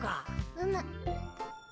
うむ。